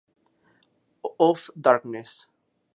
Of Darkness...